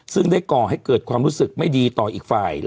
ซึ่งได้ก่อให้เกิดความรู้สึกไม่ดีต่ออีกฝ่าย